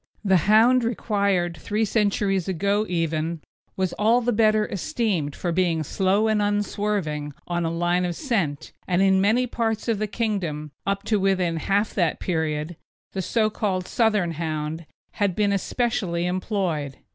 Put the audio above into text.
The hound required three centuries ago even was all the better esteemed for being slow and unswerving on a line of scent, and in many parts of the Kingdom, up to within half that period, the so called Southern Hound had been especially employed.